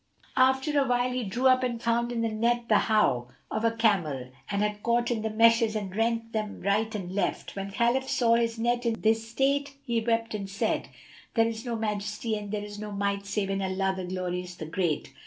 After awhile, he drew up and found in the net the hough[FN#267] of a camel, that had caught in the meshes and rent them right and left. When Khalif saw his net in this state, he wept and said, "There is no Majesty and there is no Might save in Allah, the Glorious, the Great!